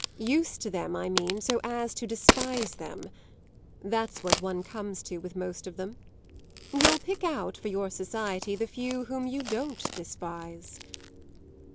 "Used to them, I mean, so as to despise them. That's what one comes to with most of them. You'll pick out, for your society, the few whom you don't despise."